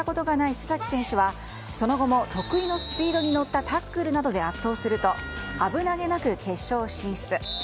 須崎選手はその後も、得意のスピードに乗ったタックルなどで圧倒すると危なげなく決勝進出。